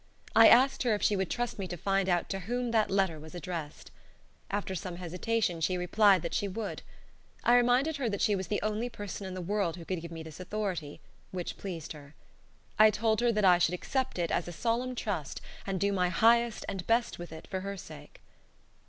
I asked her if she would trust me to find out to whom that letter was addressed. After some hesitation she replied that she would. I reminded her that she was the only person in the world who could give me this authority which pleased her. I told her that I should accept it as a solemn trust, and do my highest and best with it for her sake.